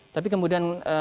tapi kemudian ada